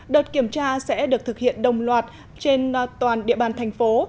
đợt kiểm tra sẽ được thực hiện đồng loạt trên toàn địa bàn thành phố